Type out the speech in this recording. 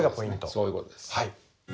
そういう事です。